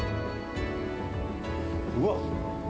うわっ！